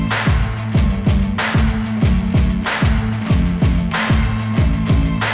โฟงอะไรถึง